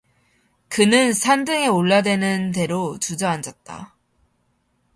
그는 산등에 올라 되는 대로 주저앉았다.